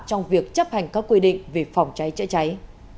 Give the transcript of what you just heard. trong việc chấp hành các quy định về phòng cháy chữa cháy